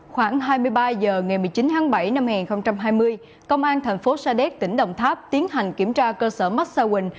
khoảng hai mươi ba h ngày một mươi chín tháng bảy năm hai nghìn hai mươi công an thành phố sa đéc tỉnh đồng tháp tiến hành kiểm tra cơ sở massawan